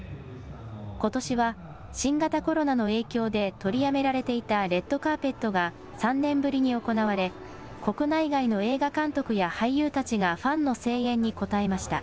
ことしは新型コロナの影響で取りやめられていたレッドカーペットが３年ぶりに行われ、国内外の映画監督や俳優たちがファンの声援に応えました。